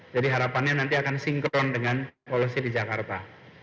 jadi harapannya nanti akan sinkron dengan polisi di jakarta